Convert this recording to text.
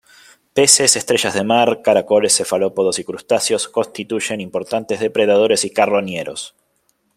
Peces, estrellas de mar, caracoles, cefalópodos y crustáceos constituyen importantes depredadores y carroñeros.